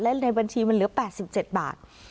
และในบัญชีมันเหลือ๘๗บาท